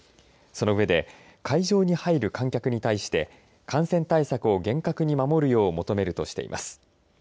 その上で会場に入る観客に対して感染対策を厳格に守るよう求めるとしています。